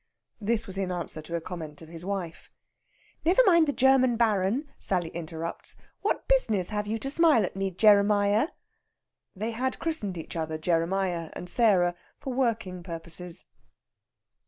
This was in answer to a comment of his wife. "Never mind the German Baron," Sally interrupts. "What business have you to smile at me, Jeremiah?" They had christened each other Jeremiah and Sarah for working purposes.